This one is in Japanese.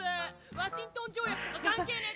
ワシントン条約とか関係ねぇ。